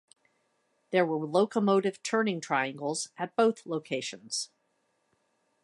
There were locomotive turning triangles at both locations.